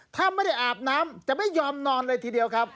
ถ้าไม่ได้อาบน้ำจะไม่ยอมนอนเลยทีเดียวครับ